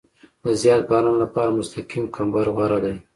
د زیات باران لپاره مستقیم کمبر غوره دی